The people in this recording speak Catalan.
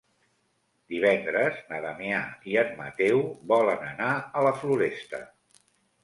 Divendres na Damià i en Mateu volen anar a la Floresta.